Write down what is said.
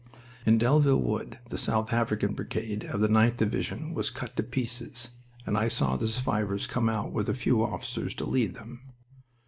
In Delville Wood the South African Brigade of the 9th Division was cut to pieces, and I saw the survivors come out with few officers to lead them.